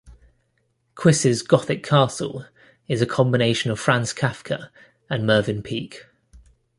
Quiss's Gothic castle is a combination of Franz Kafka and Mervyn Peake.